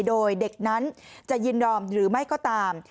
โดยเด็กนั้นจะยินยอมหรือไม่ก็ตาม